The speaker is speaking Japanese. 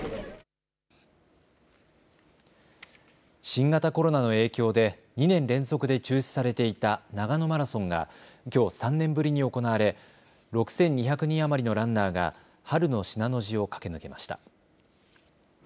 新型コロナの影響で２年連続で中止されていた長野マラソンがきょう３年ぶりに行われ６２００人余りのランナーが春の信濃路を駆け抜けました。